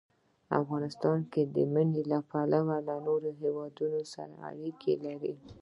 افغانستان د منی له پلوه له نورو هېوادونو سره اړیکې لري.